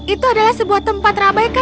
itu adalah sebuah tempat yang sangat mengerikan